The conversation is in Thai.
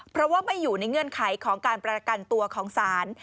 เพราะว่าไม่อยู่ในเงื่อนไขของการประกันตัวของศาล